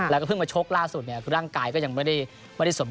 แล้วก็เพิ่งมาชกล่าสุดร่างกายก็ยังไม่ได้สมบูรณ์มากร้อย